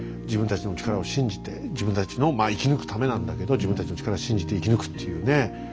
自分たちの力を信じて自分たちのまあ生き抜くためなんだけど自分たちの力を信じて生き抜くっていうね。